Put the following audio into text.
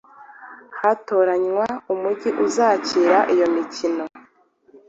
hatoranywa umugi uzakira iyo mikino